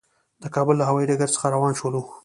د کابل له هوایي ډګر څخه روان شولو.